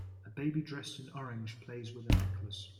A baby dressed in orange plays with a necklace.